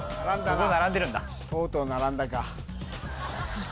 僕も並んでるんだ